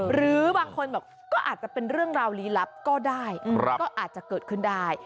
หรือบางคนบอกก็อาจจะเป็นเรื่องราวลี้ลับก็ได้ก็อาจจะเกิดขึ้นได้